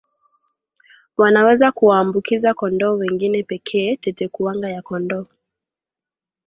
wanaweza kuwaambukiza kondoo wengine pekee tetekuwanga ya kondoo